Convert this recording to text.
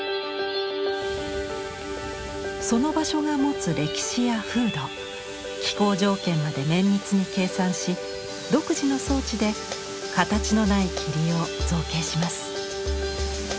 その場所が持つ歴史や風土気候条件まで綿密に計算し独自の装置で形のない霧を造形します。